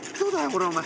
これお前。